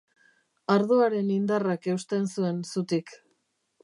Ardoaren indarrak eusten zuen zutik.